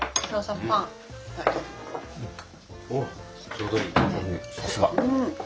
ちょうどいいさすが。